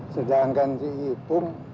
sedangkan si ipung